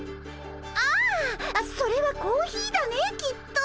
ああそれはコーヒーだねきっと。